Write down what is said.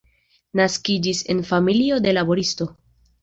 Naskiĝis en familio de laboristo.